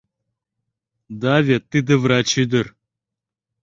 Да вет тиде врач ӱдыр!